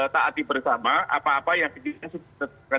taati bersama apa apa yang diberikan suksesnya